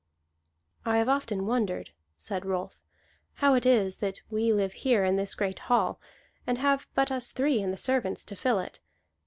"I have often wondered," said Rolf, "how it is that we live here in this great hall and have but us three and the servants to fill it.